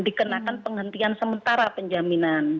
dikenakan penghentian sementara penjaminan